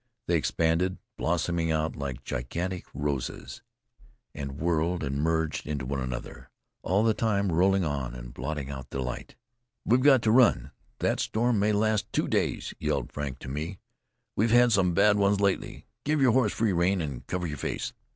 They expanded, blossoming out like gigantic roses, and whirled and merged into one another, all the time rolling on and blotting out the light. "We've got to run. That storm may last two days," yelled Frank to me. "We've had some bad ones lately. Give your horse free rein, and cover your face."